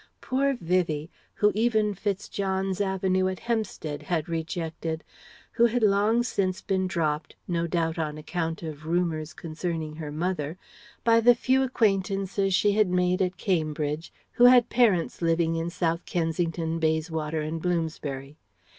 Poor Vivie, whom even FitzJohn's Avenue at Hampstead had rejected, who had long since been dropped no doubt on account of rumours concerning her mother by the few acquaintances she had made at Cambridge, who had parents living in South Kensington, Bayswater, and Bloomsbury.